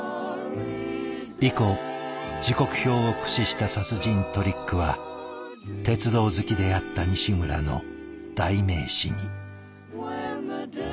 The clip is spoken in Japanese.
以降時刻表を駆使した殺人トリックは鉄道好きであった西村の代名詞に。